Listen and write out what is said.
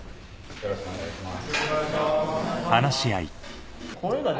・よろしくお願いします。